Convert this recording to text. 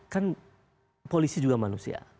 kan polisi juga manusia